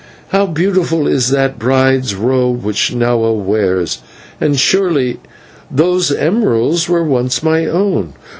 How beautiful is that bride's robe which Nahua wears, and surely those emeralds were once my own.